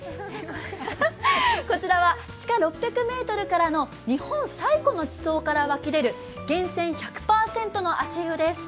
こちらは地下６００ｍからの日本最古の地層から湧き出る源泉１００％の足湯です。